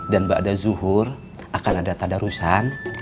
dan ba'adah zuhur akan ada tadarusan